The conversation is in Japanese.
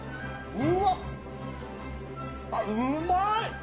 うわ、うまい。